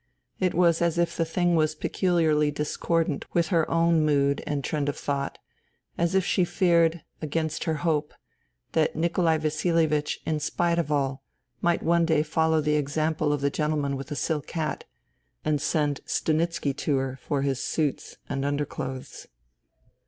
It was as if the thing was peculiarly discordant with her own mood and trend of thought, as if she feared, against her hope, that Nikolai Vasilievich, in spite of all, might one day follow the example of the gentleman with the silk hat ... and send Stanitski to her for his suits and underclothes.